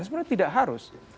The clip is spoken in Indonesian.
sebenarnya tidak harus